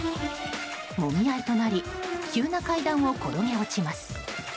もみ合いとなり急な階段を転げ落ちます。